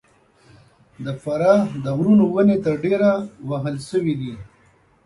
د فراه د غرونو ونې تر ډېره وهل سوي دي.